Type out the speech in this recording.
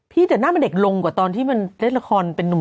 แต่หน้ามันเด็กลงกว่าตอนที่มันเล่นละครเป็นนุ่ม